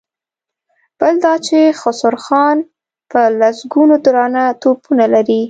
بل دا چې خسرو خان په لسګونو درانه توپونه لري.